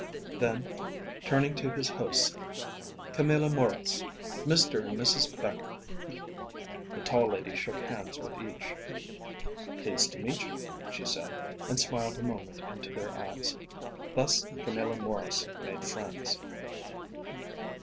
Then turning to his hosts, "Camilla Maurice: Mr. and Mrs. Becher." The tall lady shook hands with each. "Pleased to meet you," she said, and smiled a moment into their eyes. Thus Camilla Maurice made friends.